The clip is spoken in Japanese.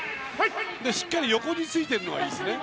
しっかり横についてるのがいいですよね。